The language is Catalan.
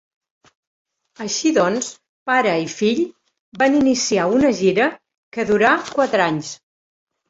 Així doncs, pare i fill van iniciar una gira que durà quatre anys.